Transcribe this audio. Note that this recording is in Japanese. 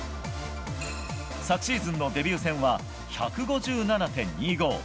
昨シーズンのデビュー戦は１５７．２５。